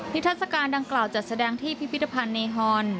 ทัศกาลดังกล่าวจัดแสดงที่พิพิธภัณฑ์เนฮอน